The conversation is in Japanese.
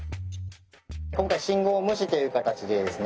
今回信号無視という形でですね